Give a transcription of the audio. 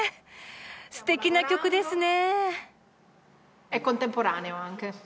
すてきな曲ですね。